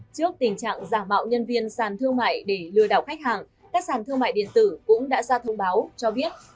trước tình trạng giả mạo nhân viên sàn thương mại để lừa đảo khách hàng các sàn thương mại điện tử cũng đã ra thông báo cho biết